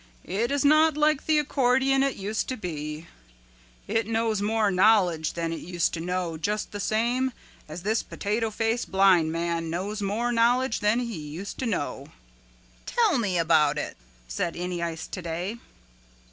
It is not like the accordion it used to be. It knows more knowledge than it used to know just the same as this Potato Face Blind Man knows more knowledge than he used to know." "Tell me about it," said Any Ice Today.